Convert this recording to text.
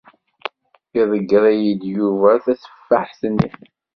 Iḍeyyeṛ-iyi-d Yuba tateffaḥt-nni.